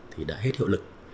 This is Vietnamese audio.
thì đã hết hiệu lực